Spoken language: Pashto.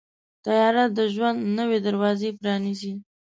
طیاره د ژوند نوې دروازې پرانیزي.